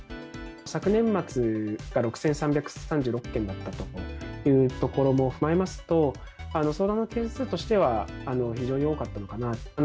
昨年末が６３３６件だったというところも踏まえますと、相談の件数としては、非常に多かったのかなと。